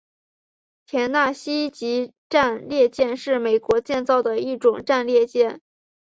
田纳西级战列舰是美国建造的一种战列舰。